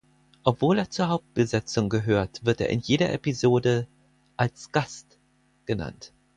Obwohl er zur Hauptbesetzung gehört, wird er in jeder Episode „als Gast“ genannt.